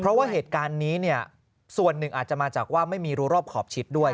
เพราะว่าเหตุการณ์นี้เนี่ยส่วนหนึ่งอาจจะมาจากว่าไม่มีรัวรอบขอบชิดด้วย